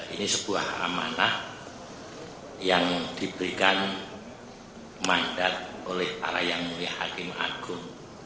ini sebuah amanah yang diberikan mandat oleh para yang mulia hakim agung